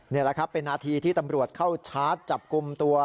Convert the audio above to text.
นี่แหละครับเป็นนาทีที่ตำรวจเข้าชาร์จจับกลุ่มตัว